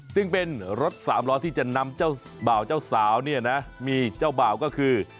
ซึ่งเป็นรถสามล้อที่จะนำเจ้าบ่าวเจ้าสาวเนี่ยนะมีเจ้าบ่าวก็คือ